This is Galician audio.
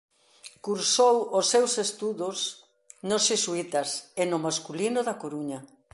Cursou os seus estudos nos Xesuítas e no Masculino da Coruña.